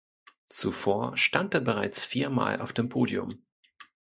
Zuvor stand er bereits viermal auf dem Podium.